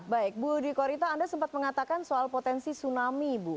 baik bu dwi korita anda sempat mengatakan soal potensi tsunami bu